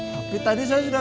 tapi tadi saya sudah